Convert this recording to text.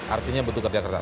artinya betul kerja kerja